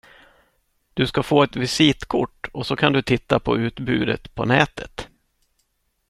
Du ska få ett visitkort och så kan du titta på utbudet på nätet.